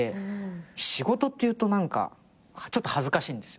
仕事って言うと何かちょっと恥ずかしいんです。